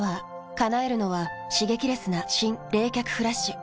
叶えるのは刺激レスな新・冷却フラッシュ。